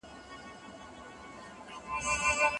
د دوستۍ لپاره د کفائت خيال وساتئ او بيا اقدام وکړئ.